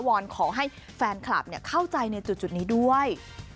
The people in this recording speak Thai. อนขอให้แฟนคลับเข้าใจในจุดนี้ด้วย